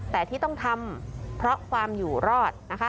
แต่ที่ต้องทำเพราะความอยู่รอดนะคะ